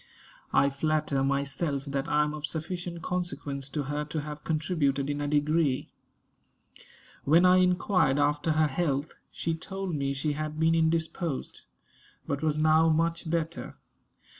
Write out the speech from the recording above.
I flatter myself that I am of sufficient consequence to her to have contributed in a degree. When I inquired after her health, she told me she had been indisposed; but was now much better.